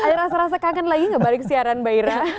ada rasa rasa kangen lagi gak balik siaran mbak ira